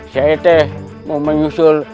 saya mau menyusul